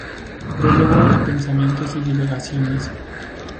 Prólogo a Pensamientos y divagaciones.